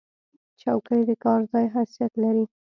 چوکۍ د کار ځای حیثیت لري.